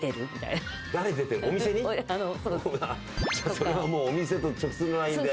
それはもうお店と直通のＬＩＮＥで。